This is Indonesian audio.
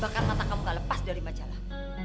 bahkan mata kamu gak lepas dari majalah